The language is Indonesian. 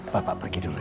bapak pergi dulu ya